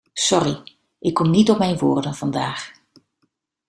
Sorry, ik kom niet op mijn woorden vandaag.